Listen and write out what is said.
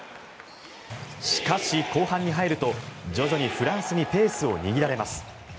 しかし、後半に入ると徐々にフランスにペースを握られます。